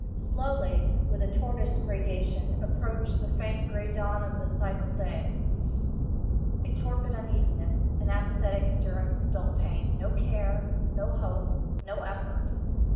Slowly—with a tortoise gradation—approached the faint gray dawn of the psychal day. A torpid uneasiness. An apathetic endurance of dull pain. No care—no hope—no effort.